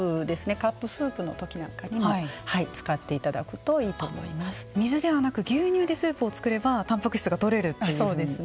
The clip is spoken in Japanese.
カップスープのときなんかにも使っていただくといいと水ではなく牛乳でスープを作ればたんぱく質がとれるというふうに。